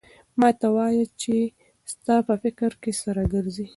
ما ته وایه چې ستا په فکر کې څه ګرځي؟